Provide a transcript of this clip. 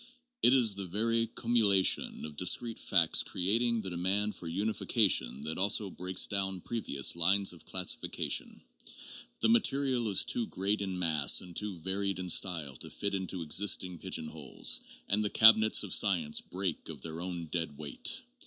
It is the very cumulation of discrete facts creating the demand for unification that also breaks down previous lines of classification. The ma terial is too great in mass and too varied in style to fit into existing pigeon holes, and the cabinets of science break of their own dead weight.